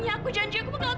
ayo jangan keluar